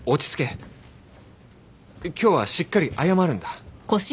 今日はしっかり謝るんだ